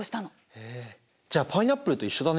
へえじゃあパイナップルと一緒だね。